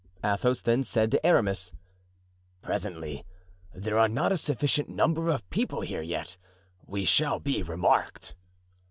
Athos then said to Aramis. "Presently—there are not a sufficient number of people here yet; we shall be remarked."